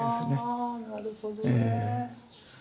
あなるほどね。